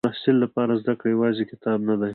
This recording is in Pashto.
د محصل لپاره زده کړه یوازې کتاب نه ده.